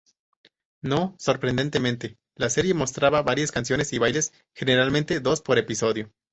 No sorprendentemente, la serie mostraba varias canciones y bailes, generalmente dos por episodio.